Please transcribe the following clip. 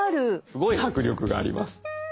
すごい迫力があります。